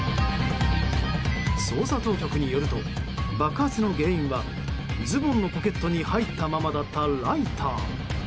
捜査当局によると、爆発の原因はズボンのポケットに入ったままだったライター。